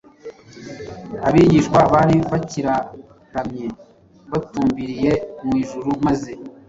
Abigishwa bari bakiraramye batumbiriye mu ijuru maze